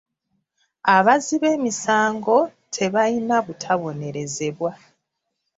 Abazzi b'emisango tebayina butabonerezebwa.